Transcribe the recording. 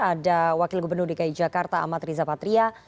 ada wakil gubernur dki jakarta amat riza patria